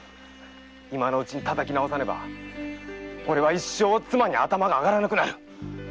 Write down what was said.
今のうちにたたき直さねば俺は一生妻に頭が上がらなくなる。